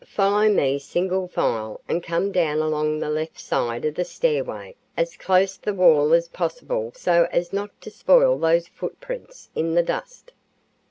Follow me single file and come down along the left side of the stairway as close the wall as possible so as not to spoil those footprints in the dust."